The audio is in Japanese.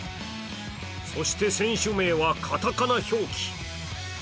そして選手名はカタカナ表記。